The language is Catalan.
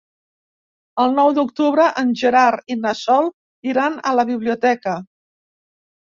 El nou d'octubre en Gerard i na Sol iran a la biblioteca.